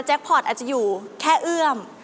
พอร์ตอาจจะอยู่แค่เอื้อม